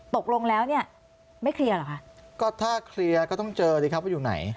ตกลงแล้วเนี่ยไม่เคลียร์เหรอคะก็ถ้าเคลียร์ก็ต้องเจอสิครับว่าอยู่ไหน